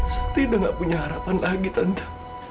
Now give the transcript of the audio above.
sakti udah gak punya harapan lagi tante